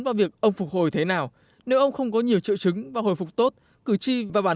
vào việc ông phục hồi thế nào nếu ông không có nhiều triệu chứng và hồi phục tốt cử tri và bản